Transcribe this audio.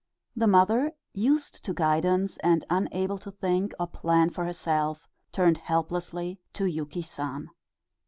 The mother, used to guidance and unable to think or plan for herself, turned helplessly to Yuki San.